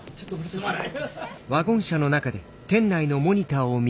すまない。